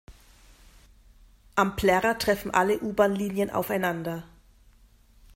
Am Plärrer treffen alle U-Bahn-Linien aufeinander.